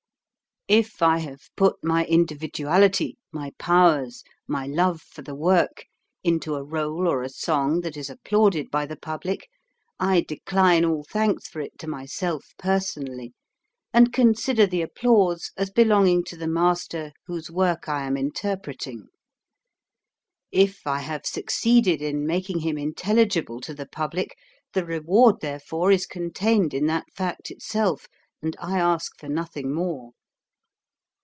If I have put my individu ality, my powers, my love for the work, into 304 HOW TO SING a r&le or a song that is applauded by the pub lic, I decline all thanks for it to myself per sonally, and consider the applause as belong ing to the master whose work I am interpreting. If I have succeeded in making him intelligible to the public, the reward therefor is contained in that fact itself, and I ask for nothing more.